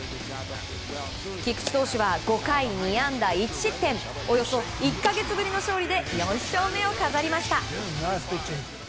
菊池投手は５回２安打１失点およそ１か月ぶりの勝利で４勝目を飾りました。